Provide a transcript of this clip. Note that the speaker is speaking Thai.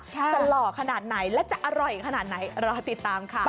หล่อขนาดไหนและจะอร่อยขนาดไหนรอติดตามค่ะ